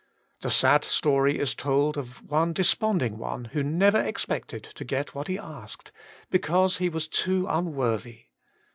The sad story is told of one desponding one who WAITING ON GOD I 123 never expected to get what he asked, because he was too unworthy.